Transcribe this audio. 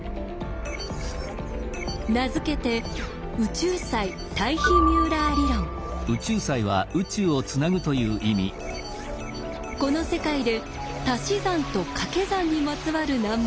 名付けてこの世界でたし算とかけ算にまつわる難問